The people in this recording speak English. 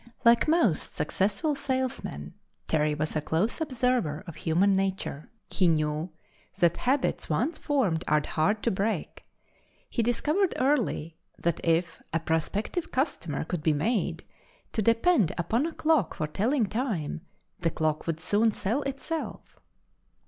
Like most successful salesmen, Terry was a close observer of human nature; he knew that habits once formed are hard to break. He discovered early that if a prospective customer could be made to depend upon a clock for telling time, the clock would soon sell itself.